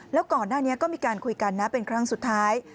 แล้วก่อนหน้านี้ก็มีการคุยกันนะเป็นครั้งสุดท้าย